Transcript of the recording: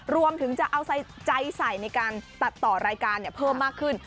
รวมถึงจะเอาใจใส่ในการตัดต่อรายการเพิ่มมากขึ้น